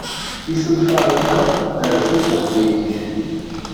Isenfaṛen-a rzan Taqbaylit.